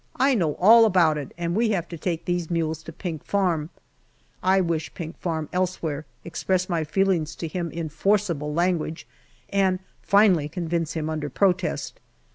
I know all about it, and we have to take these mules to Pink Farm/' I wish Pink Farm elsewhere, express my feelings to him in forcible language, and finally convince him under protest.